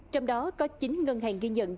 trong đó có chín ngân hàng ghi nhận